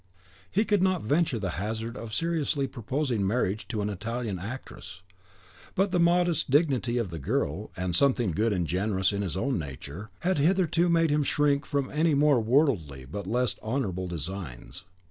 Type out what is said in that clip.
He could not venture the hazard of seriously proposing marriage to an Italian actress; but the modest dignity of the girl, and something good and generous in his own nature, had hitherto made him shrink from any more worldly but less honourable designs.